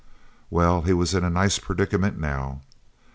Well, he was in a nice predicament now!